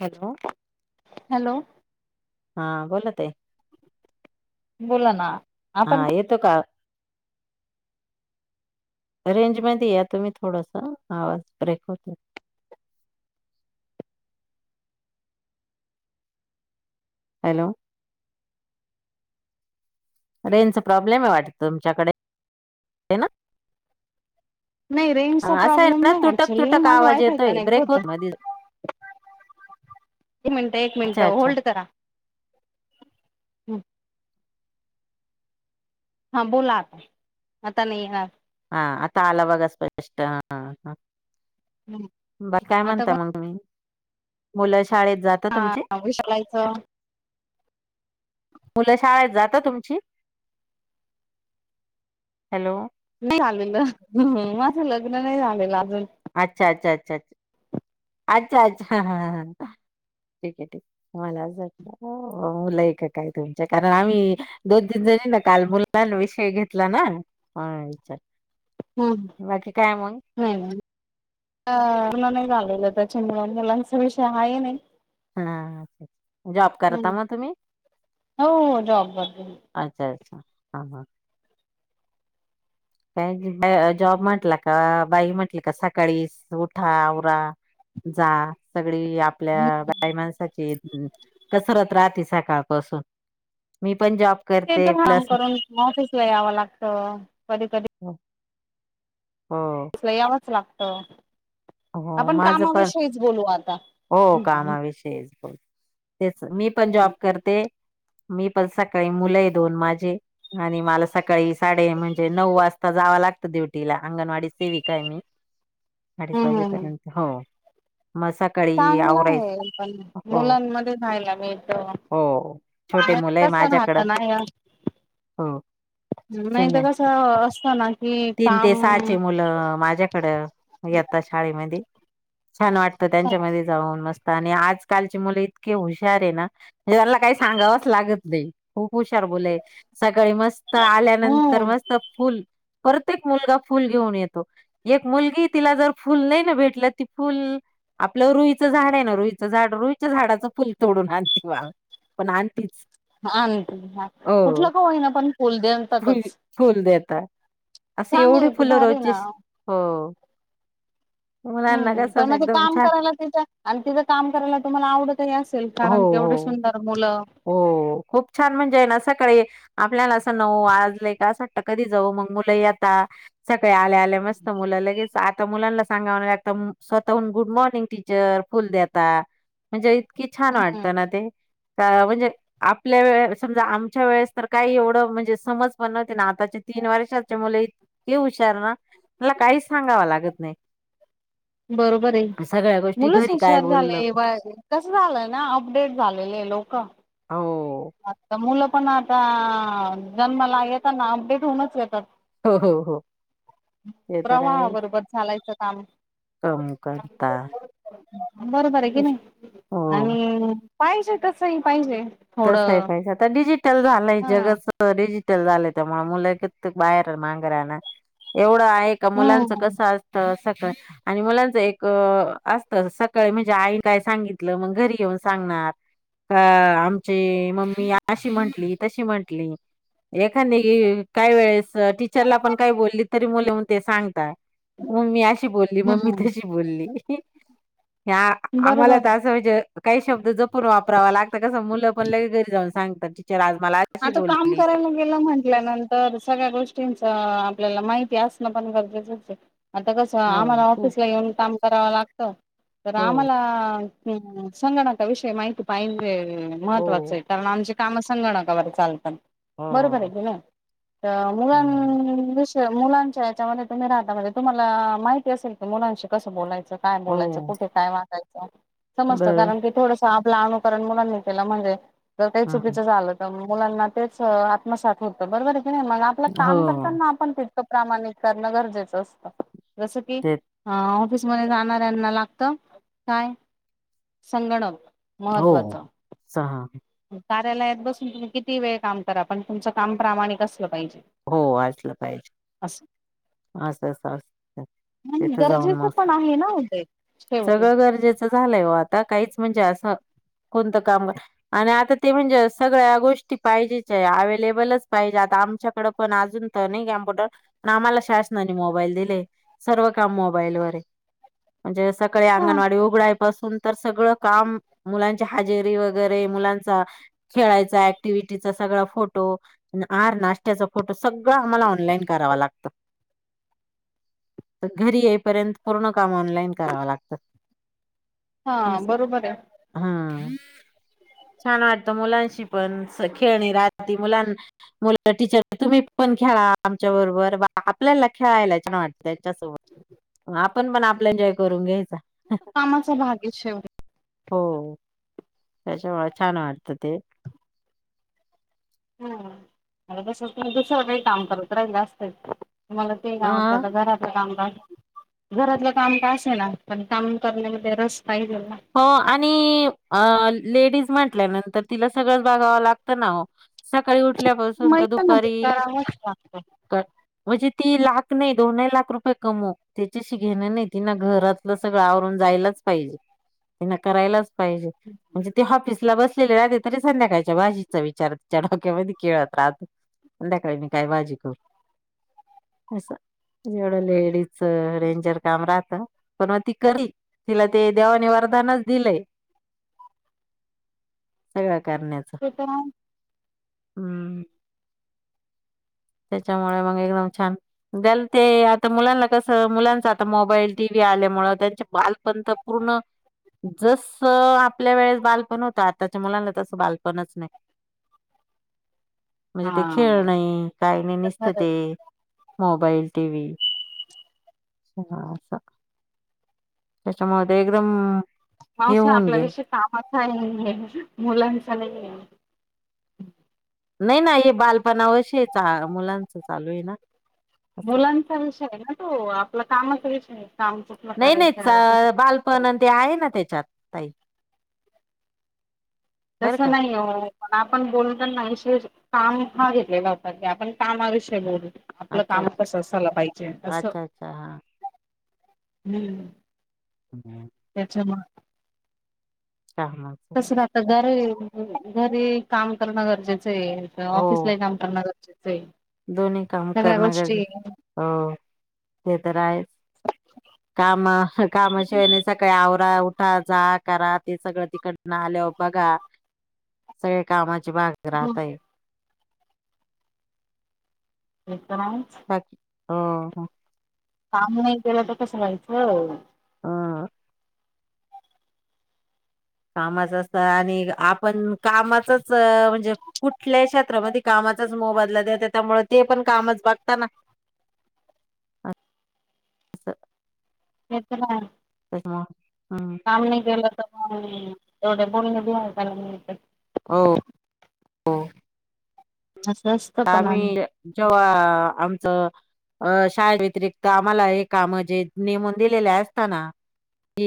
Hello,, hello. हा बोला ताई बोला ना,,, आपण हा येतो [unintelligible] रेंज मध्ये या तुम्ही थोडस आवाज ब्रेक होतोय [unintelligible] हॅलो रेंज चा प्रॉब्लेम आहे वाटतं, तुमच्याकडे नाऽ नाही रेंजचा हा असं आहे प्रॉब्लेम ना, ना नाही तुटक,, ऍक्च्युली तुटक माझं आवाज वायफाय येतोय कनेक्ट ब्रेक होतं. होत मध्येऽऽ [unintelligible] एक मिनिटं, एक मिनिट, होल्ड करा. हा बोलाआता, आता नाही येणार. हा आता आला बघा स्पष्ट हा, हा, बर काय आता म्हणता कोण मग मी तूती,, मुलाऽऽ शाळेत जात तुमचे, विशालायचं मुलं शाळेत जातं तुमची,,, हॅलो नाही झालेलं,,, माझं लग्न नाही झालेलंअजऽषऽ अच्छा, अच्छा, अच्छा, अच्छ, अच्छा अच्छा ठीक आहे, ठीक, मला वाटल मुलं य का काय तुमच्या कारण आम्ही दोन तीन जणीऽऽ काल मुललां विषय घेतला, ना ह विचार, ऽ ह, नाही,, नाही अ नाही, झाल त्याच्यामूळ मूलांचा विषय हा नाही. हा्,, जॉब करता म तुम्ही. हो, हो जॉब ब ह हा काय जॉब म्हटला,, का बाई म्हटलं का सकाळी उठा,, आवरा, जा, सगळी आपल्या बाई माणसाची कसरत राहतेच सकाळपासून, मीऽ ते तर हाय काम करून ऑफिसला यावं लागत कधी कधी हा ऑफिसला यावच लागत हो आपण माझं पण कामाविषयीच बोलू आता हो कामाविषयीच बोल तेच मी पण जॉब करते मी पण सकाळी मुलं दोन माझे आणि मला सकाळी साडे म्हणजे नऊ वाजता जावा लागत ड्युटीला अंगनवाडीत सेविकाय मी हम्म हम्म. जेपर्यंत हो सकळी चांगलं आवरायच आहे पण हो मुलांमध्ये राहायला मिळत नाही हो छोटे तर मुलंय कस माझ्याकड राहत नाही हो नाही शून्य तर कसं असतं ना कि तीन ते काम सहाचे मुलं माझ्याकड येता शाळेमध्ये छान वाटत त्यांच्यामध्ये जाऊन मस्त आणि आजकालची मुलं इतके हुशारय ना म्हणजे त्यांला काही सांगावंच लागत नाही खूप हुशार मुलय सकाळी मस्त आल्यानंतर हम्म मस्त फुल प्रत्येक मुलगा फुल घेऊन येतो एक मुलगी तिला जर फुल नाही ना भेटलं ती फुल आपलं रुईचं झाड आहे ना रुईचं झाड रुईच्या झाडाचं फुल तोडून आणते बाब पण आणतीच हा हो कुठलं का होई ना पण फुल फुल देतातच फुल देतात असे चांगलं एवढी आहे की फुलं भारी रोजची ना हो मुलांना हम्म प कसं मग ते एकदम काम छान करायला तिचं आणि तिचं काम करायला तुम्हाला आवडतही असेल हो कारण तेवढं हो सुंदर मुलं हो खूप छान म्हणजे आहे ना सकळी आपल्याला असं नव आजलंय का असं वाट कधी जाऊ मग मुलं येता का आल्या आल्या मस्त मुल लगेच मुलांना सांगा स्वतःहून गुड मॉर्निंग टीचर फुल देता म्हणजे कि छान वाटत ना हम्म ते अ म्हणजे आपल्या वेळे समजा आमच्या वेळेस तर काही एवढं म्हणजे समज पण नहती ना आताच्या तीन वर्षाचे मुले इतके हुशार ना मला काही सांगाव लागत नाही बरोबर आहे सगळ्या गोष्टी मुलंच घरी काय हुशार बोललं झालंय व कस झालंय ना अपडेट झालेलेय लोक हो आता मुलं पण आता जन्माला येताना अपडेट होऊनच येतात हो हो हो ते तर प्रवाहा आहे बरोबर चालायचं काम कम करता बरोबर आहे कि नाही हो आणि पाहिजे तसही पाहिजे तसही थोडं पाहिजे आता डिजिटल झालंय हा जगच डिजी टल झालय त्यामुळे मुलही बाहेर मागरा ना एवढ आहे का मुलांच हम्म कस असतं आणि मुलांचं एक असत सकाळ म्हणजे आई काय सांगितलं मग घरी येऊन सांगणार का आमची मम्मी अशी म्हंटली तशी म्हंटली एखांदे काही वेळेस टीचरला पण काही बोलली तरी मुलं मग ते सांगता मम्मी अशी बोलली मम्मी हम्म तशी बोलली ह आम्हाला बरोबर तर असं म्हणजे काही शब्द जपून वापरावा लागत कसं मुलं पण घरी जाऊन सांगाता आता काम करायला गेलं म्हंटल्यानंतर सगळ्या गोष्टीं आपल्याला माहिती असणं पण गरजेचंचय आता कसं हो आम्हाला खूप ऑफिसला येऊन का करावा लागत तर हो आम्हाला संगणका विषय माहिती पाहिजे हो महत्त्वाचं आहे कारण आमची काम संगणकावर चालतात बरोबर हो आह ना मुला हम्म आआआ मुलांच्या याच्यामध्ये तुम्ही राहता तुम्हाला माहिती असेल कि मुलांशी कसं बोलायचं काय बोलायचं, हो कुठे काय वागयच, समत बर कारण की थोड.. आपला अनुकरण मुलांनी केलं म्हणजे ज काही हम्म चुकीचं झालं? तर मुलांना तेच आत्मसात होतं बरोबर आहे, की नाही मग आपलं काम हो करताना आपण तकं, प्रमाणण गरजेच असत, जस की ते ऑफीस जाणाऱ्यांना लागत काय? संगणक.. हो महत्त्वाचं स ह कार्यालयात बसून तुम्ही किती वेळ काम करा. पण तुमचं काम प्रामाणिक अस, हो वाचलं पाहिजे. असं अस अस असत नाही तिथे जाऊन गरजेचं मस्त पण आहे ना ओ ते शेवटी सगळं गरजेचं झालंय. हो आता काहीच म्हणजे असं, कोणतं काम आणि आता ते म्हणजे, सगळ्या गोष्टी पाहिजेच आहे अवेलेबलच पाहिजे. हे आता आमच्याकड पण अजून तर नाही, '' कम्प्युटर''पण आम्हाला शासनाने मोबाईल दिले सर्व काम मोबाईलवरर म्हणजे सकाळी हा ''अंगणवाडी'' उघडाय पाून तर सगळ काम मुलांच्या हजेरी.. वगैरे मुलांचा खेळायचा ऍक्टिव, शे सग फोटो आहार, नाशत्याचा फोटो सगळं आम्हाला ऑनलाईन कराव लागतं. तर घरी येईपर्यंत पूर्ण काम ऑनलाईन कराव लागतं. हा अस बरोबर आहे हम् छान वाटत मुलांशी पण खेळणी राती मुलां मु टीचर तुम्ही पण खेळा आमच्या बरोबर, वा आपल्याला खेळायला छान वाटत. त्याच्यासोबत आपण पण आपलं एन्जॉय करून घेयच कामाचा भाग आहे. शेवट हो त्याच्या व छान वाटत ते, हम, तस दुसरं काही काम करत राहि जास्तच मला, ते अ आवडतं घराचं कामकाज 'घरातलं काम का असे' ना पण काम करण्यामध्ये रस्ते, हो आणि लेडीज... म्हटल्यानंतर तिला सगळंच बघावं लागतं ना हो? सकाळी, उठल्यापासून.. तर माहित ना ते दुपारी करावंच लागतं म्हणजे ती लाख नाही दोनही लाख रुपये कमव त्याच्याशी घेणं नाही. ति ना घरातलं सगळं आवरून जायलाच, पाहिजे तीन करायलाच पाजे, म्हण त बसलेले राहली तरी संध्याकाळच्या भाजीचा विचार तिच्या डोक्यामध्ये खेळत राहतो. संध्याकाळी मी काय बाजी करू? अस! एवढं लेडीजच रेंजर काम राहत. पण मग ती करिल तिला ते देवा निव, त्यानच दिले सगळत करण्याच ते तर आहे हम्म! त्याच्यामुळे मग एकदम छान! त्याल, ते आता मुलांना कस मुलांचा आता मोबाईल टीव्या आल्यामुळे त्यांचे बालपंत पूर्ण, जस आपल्या वेळेस बालपण होतं, आताच्या मुलांना तसं बालपणच नाही. म्हणजे ते खेळ हा नाही, काही नाही, निसत ते खरंच मोबाईल टी व्ही.. अ... त्याच्यामुळेते एकदम हे मानस होऊन आपल्या गेल विषयी काम.. का मुलांचा नाही आहे. नाही नाही, ये बाल पण अवश्य चा मुलांच चालू आहे, ना अस मुलांचा विषय आहे ना तो आपला काम करच नाही नाही, बालपण न ते आहे. ना त्याच्यात ताय तस नाही. ओ पण आपण बोलू तर नाही विशेष काम फार घेतलेलं असत्यात त्या आपण कामाविषयी बोलू आपलं अच्छा काम कसं असलं पाहिजे अच्छा तसं अच्छा अच्छा हा हम्म त्याच्या म कामाच तस राहत घर घरी काम करणं गरजेचं हो ऑफिसला ही काम करणार गरजेचं आहे दोन्ही काम सगळ्या करणार गोष्टी गरजेचं ओ हे तर आहेच कामा कामाशिवायने सकाळी आवरा तिथं जा करा ते सगळं तिकडन आल्यावर बघा सगळे कामाची चिबाग हम्म, घरात हाय विकम नायच अम हम्म काम नाही केल तर कसं व्हायचं अम कामाच असत आणि आपण कामाचच म्हणजे कुठल्या क्षेत्रामध्ये कामा कामच च मोबादला देत त्यामुळे ते पण कामच बगता ना. अन स येत नाय. आ. काम नाही केलं तर मग येवढं बोलण बी पण ऐकायला मिळत. ओ हो. असं असतं पण आम्ही आणि जेव्हा आमचं. अ शाळे व्यतिरिक्त आम्हाला ए काम जे नेमून दिलेले असताना. के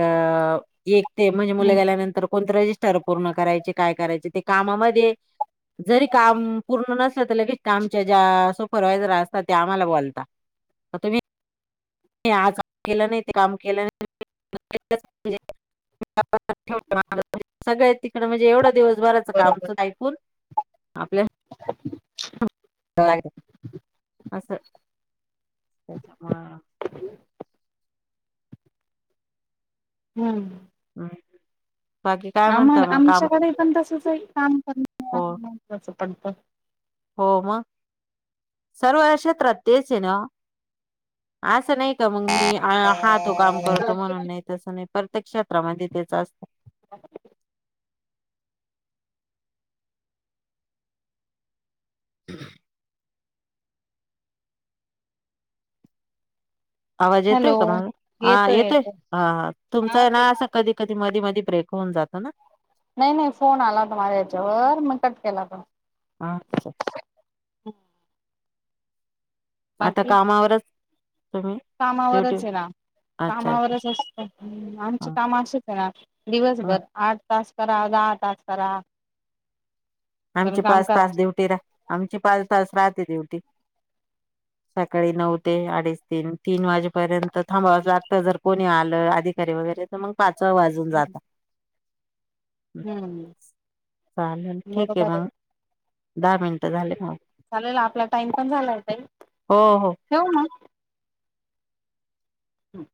अ एक ते म्हणजे मुलं हम्म गेल्यानंतर कोणते रजिस्टर पूर्ण करायचे काय करायचे. ते कामध्ये जरी काम पूर्ण नसलं तर आमच्या ज्या सोब सुपरवैझर असता ते आम्हाला बोलता तुम्ही आज केलं नाही ते काम केलं नाहीज. सगळे तिकड म्हणजे एवढा दिवस का ऐकून आपल्या तगडंम् तगडं. असं. त्याच का? हम्म. हम. आम्हा आमच्याकडे पण तसच आहे की काम करन हो महत्वाच पडत. हो मग सर्वक्षेत्र तेचे हाय ना अस नाही की तर मग मी हा हा तो काम करतो म्हणून नाही तसं नाही प्रत्येक क्षेत्रामध्ये तेच असतय. ह. हम्म. आवाज येतोय हॅलो का मला हा येतोय हा हा तुमचा ते ना अस कधी कधी मधी मधी ब्रेक कोण जात ना. नाही नाही फोन आला होता माझा याच्यावर मग कट केला पण आत सर. हम. आता कामावरच. तुम्ही ड्युटी कामावरच हे ना. अच्छा अच्छा कामावरच असत हम्म आमच हा. काम असच असत ह दिवसभर आठ तास करा आात आात करा. आमची पण काम पाच करा. तास ड्युटी राह आमची पाच तास राहते ड्युटी सकाळी नऊ ते अडीच तीन तीन वाजेपर्यंत थांबवच लागत जर कोणी आलं आधिकारी वगैर मग पाचवा वाजून जात. हम्म चालेल ठीक बरोबर मग आहे. दहा मिनटं झाले ना. चालेल आपला टाइम पण झालाता हो हो ठेवऊ ना. हम्